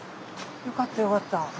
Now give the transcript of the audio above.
よかったよかった。